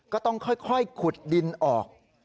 ก็ต้องค่อยขุดดินออก